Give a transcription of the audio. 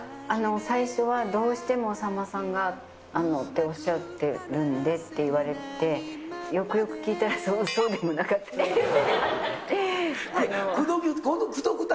最初は、どうしてもさんまさんがっておっしゃってるんでって言われて、よくよく聞いたら、そうでもなかった。